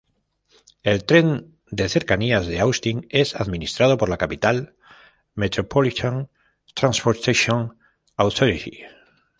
El Tren de Cercanías de Austin es administrado por la Capital Metropolitan Transportation Authority.